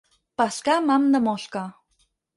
Pescar amb ham de mosca.